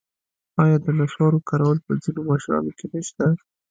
آیا د نصوارو کارول په ځینو مشرانو کې نشته؟